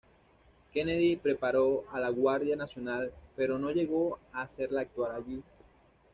Kennedy preparó a la Guardia nacional pero no llegó a hacerla actuar allí.